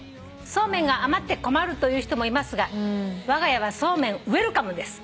「そうめんが余って困るという人もいますがわが家はそうめんウエルカムです」